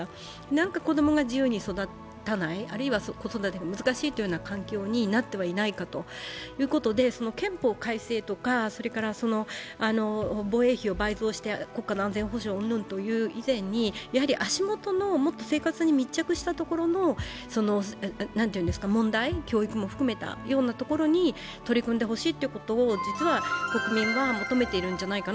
なんか、子供が自由に育たないあるいは子育て難しいという環境になってはいないかということで憲法改正とか防衛費を倍増して国家の安全保障うんぬんという以前に、もっと足元の生活に密着したところの問題、教育も含めたようなところに脂肪対策続かないそんなあなた。